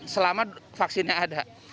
selama vaksinnya ada